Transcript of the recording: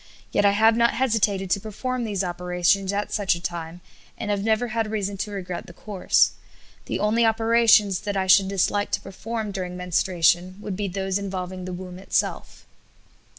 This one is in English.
yet I have not hesitated to perform these operations at such a time, and have never had reason to regret the course. The only operations that I should dislike to perform during menstruation would be those involving the womb itself."